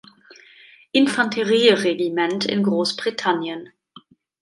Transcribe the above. Infanterieregiment in Großbritannien.